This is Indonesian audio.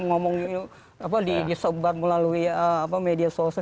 ngomong di sobat melalui media sosial